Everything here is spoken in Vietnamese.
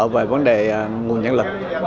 về vấn đề nguồn nhận lực